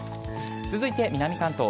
続いて南関東。